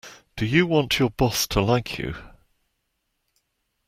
Do you want your boss to like you?